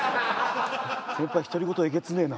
先輩独り言えげつねえな。